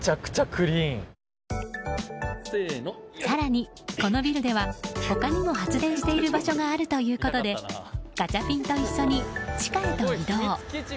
更に、このビルでは他にも発電している場所があるということでガチャピンと一緒に地下へと移動。